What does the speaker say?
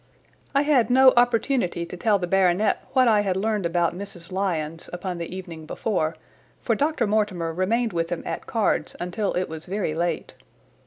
I had no opportunity to tell the baronet what I had learned about Mrs. Lyons upon the evening before, for Dr. Mortimer remained with him at cards until it was very late.